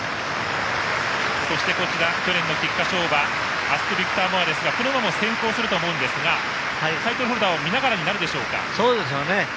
そして、去年の菊花賞馬アスクビクターモアですがこの馬も先行すると思うんですがタイトルホルダーを見ながらにそうでしょうね。